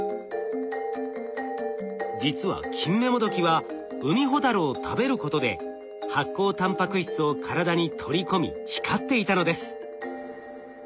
実はキンメモドキはウミホタルを食べることで発光タンパク質を体に取り込み光っていたのです。